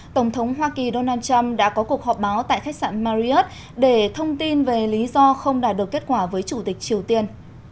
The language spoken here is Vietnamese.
tổng thống hoa kỳ donald trump đã có cuộc họp báo tại khách sạn mariot để thông tin về lý do không đạt được kết quả với chủ tịch triều tiên